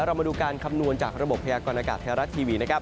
เรามาดูการคำนวณจากระบบพยากรณากาศธรรยะทีวี